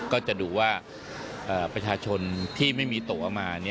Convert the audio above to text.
ก็จะดูว่าประชาชนที่ไม่มีตกเอามา